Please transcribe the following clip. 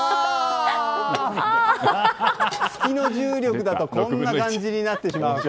月の重力だとこんな感じになってしまうんです。